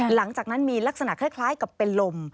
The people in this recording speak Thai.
หลังจากนั้นมีลักษณะคล้ายกับเป็นลม